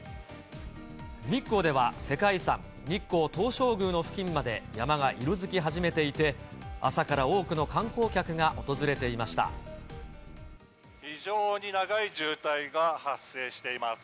日光では世界遺産、日光東照宮の付近まで山が色づき始めていて、朝から多くの観光客非常に長い渋滞が発生しています。